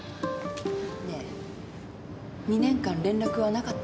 ねえ２年間連絡はなかったの？